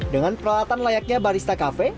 dengan peralatan layaknya barista kafe